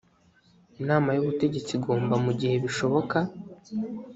inama y ubutegetsi igomba mu gihe bishoboka